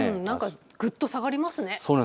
ぐっと下がりますね。